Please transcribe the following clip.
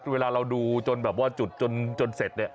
เวลาเราดูจนแบบว่าจุดจนเสร็จเนี่ย